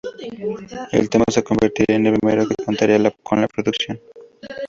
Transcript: El tema se convertía en el primero que contaría con la producción.